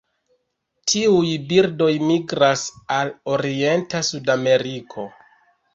Tiuj birdoj migras al orienta Sudameriko.